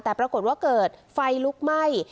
แต่ปรากฏว่าเกิดไฟลุกไหม้